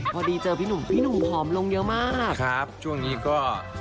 พอดีเจอพี่หนุ่มพี่หนุ่มผอมลงเยอะมากครับช่วงนี้ก็